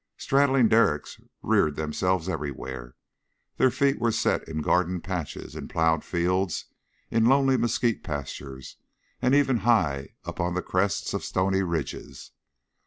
Straddling derricks reared themselves everywhere; their feet were set in garden patches, in plowed fields, in lonely mesquite pastures, and even high up on the crests of stony ridges.